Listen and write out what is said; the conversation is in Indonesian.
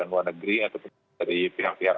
luar negeri ataupun dari pihak pihak